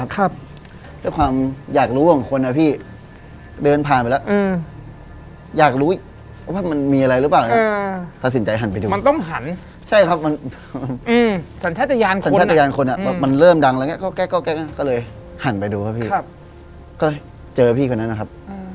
ก็เลยเจอพี่คนนั้นนะครับ